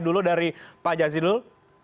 dulu dari pak jazilul